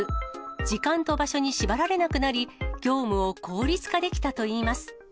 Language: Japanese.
時間と場所に縛られなくなり、業務を効率化できたといいます。